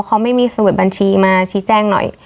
เขาไม่มีสมุดบัญชีมาชี้แจ้งหน่อย